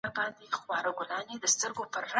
علمي فعالیت د هڅو نتیجه ده.